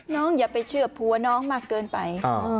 อย่าไปเชื่อผัวน้องมากเกินไป